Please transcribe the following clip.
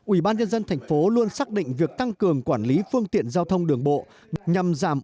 ubnd tp luôn xác định việc tăng cường quản lý phương tiện giao thông đường bộ nhằm giảm